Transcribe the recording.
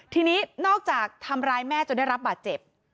ทีนี้นอกจากทำร้ายแม่จนได้รับบาดเจ็บ